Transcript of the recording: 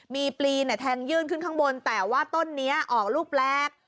มีปลีแทงยื่นขึ้นข้างบนแต่ว่าต้นนี้ออกลูกแปลก